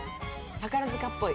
宝塚っぽい。